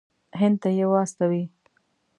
هند ته یې واستوي.